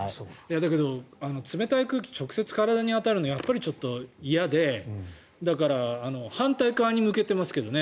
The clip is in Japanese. だけど冷たい空気直接体に当たるのはやっぱりちょっと嫌でだから反対側に向けてますけどね。